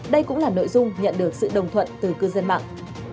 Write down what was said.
đây cũng là nội dung nhận được sự đồng thuận từ cư dân mạng